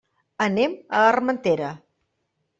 Anem a l'Armentera.